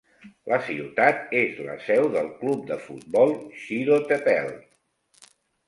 La ciutat és la seu del club de futbol Xilotepelt.